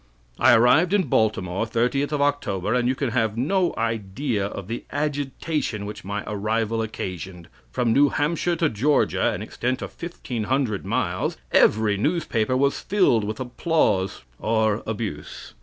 "I arrived in Baltimore, 30th of October, and you can have no idea of the agitation which my arrival occasioned. From New Hampshire to Georgia (an extent of 1,500 miles), every newspaper was filled with applause or abuse.